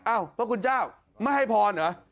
พระคุณเจ้าไม่ให้พรเหรอ